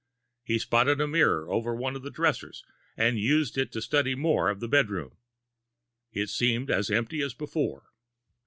He spotted a mirror over one of the dressers, and used that to study more of the bedroom. It seemed as empty as before.